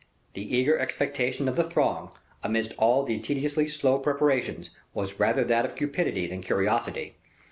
The eager expectation of the throng, amidst all the tediously slow preparations, was rather that of cupidity than curiosity.